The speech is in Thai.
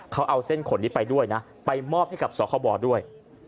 เค้าเอาเส้นขนนี้ไปด้วยนะไปออกให้กับสักคร่อบรด้วย